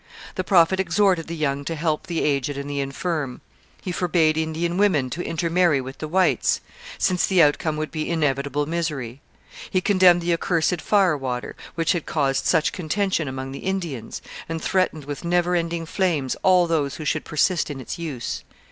The Prophet exhorted the young to help the aged and the infirm; he forbade Indian women to intermarry with the whites, since the outcome would be inevitable misery; he condemned the accursed fire water, which had caused such contention among the Indians, and threatened with never ending flames all those who should persist in its use.